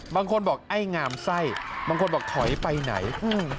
บางคนบอกไอ้งามไส้บางคนบอกถอยไปไหนอืม